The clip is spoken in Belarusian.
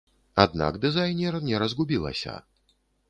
Аднак дызайнер не разгубілася.